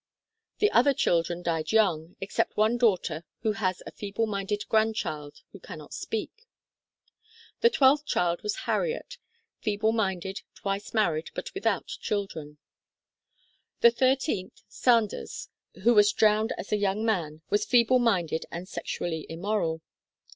The other children died young, except one daughter who has a feeble minded grandchild who cannot speak. The twelfth child was Harriet, feeble minded, twice married, but without children. The thirteenth, Sanders, who was drowned as a young man, was feeble minded and sexually immoral.